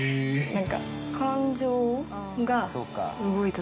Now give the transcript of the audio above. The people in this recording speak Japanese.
何か。